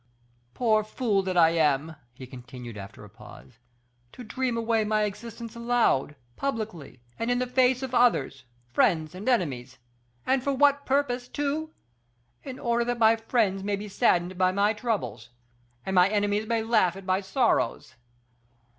Poor fool that I am," he continued, after a pause, "to dream away my existence aloud, publicly, and in the face of others, friends and enemies and for what purpose, too? in order that my friends may be saddened by my troubles, and my enemies may laugh at my sorrows.